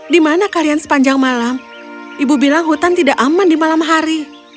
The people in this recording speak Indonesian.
di mana kalian sepanjang malam ibu bilang hutan tidak aman di malam hari